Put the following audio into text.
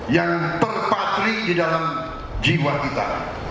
yang terpatrik di dalam jiwa kita